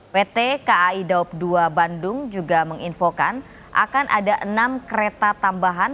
pt kai daup dua bandung juga menginfokan akan ada enam kereta tambahan